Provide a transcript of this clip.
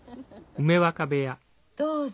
どうぞ。